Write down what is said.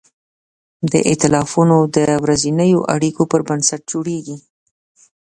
دا ایتلافونه د ورځنیو اړیکو پر بنسټ جوړېږي.